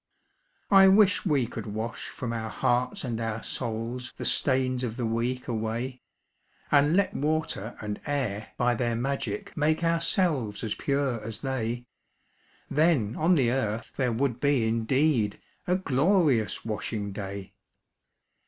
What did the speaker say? I wish we could wash from our hearts and our souls The stains of the week away, And let water and air by their magic make Ourselves as pure as they; Then on the earth there would be indeed A glorious washing day!